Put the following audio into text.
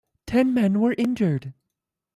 Ten men were injured.